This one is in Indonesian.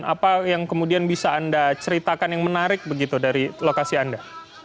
apa yang kemudian bisa anda ceritakan yang menarik begitu dari lokasi anda